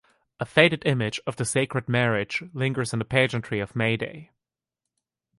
A faded image of the sacred marriage lingers in the pageantry of May Day.